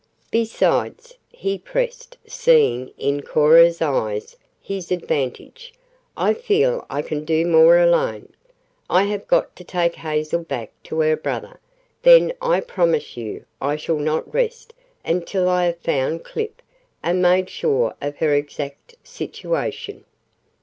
"Besides," he pressed, seeing, in, Cora's eyes, his advantage, "I feel I can do more alone. I have got to take Hazel back to her brother, then I promise you I shall not rest until I have found Clip, and made sure of her exact situation."